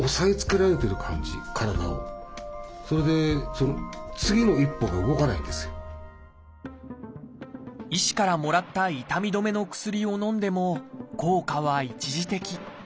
その医師からもらった痛み止めの薬をのんでも効果は一時的。